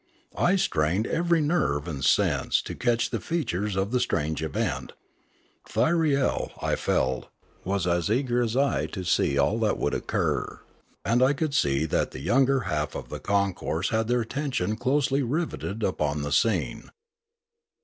I strained every nerve and sense to catch the features of the strange event. Thyriel, I felt, was as eager as I to see all that would occur, and I could see that the younger half of the concourse had their attention closely riveted upon the scene.